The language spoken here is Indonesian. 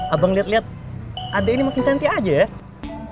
abang liat liat adek ini makin cantik aja ya